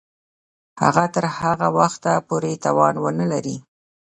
هغه تر هغه وخته پوري توان ونه لري.